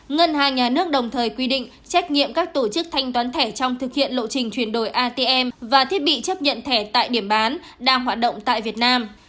ngân hàng nhà nước đồng thời quy định trách nhiệm các tổ chức thanh toán thẻ trong thực hiện lộ trình chuyển đổi atm và thiết bị chấp nhận thẻ tại điểm bán đang hoạt động tại việt nam